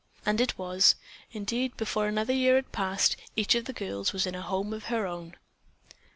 And it was. Indeed, before another year had passed, each of the girls was in a home of her own.